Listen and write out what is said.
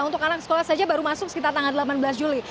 untuk anak sekolah saja baru masuk sekitar tanggal delapan belas juli